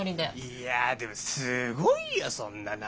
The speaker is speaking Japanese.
いやでもすごいよそんな長いこと。